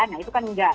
nah itu kan nggak